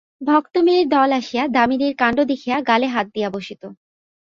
ভক্ত মেয়ের দল আসিয়া দামিনীর কাণ্ড দেখিয়া গালে হাত দিয়া বসিত।